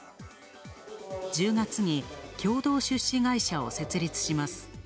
１０月に共同出資会社を設立します。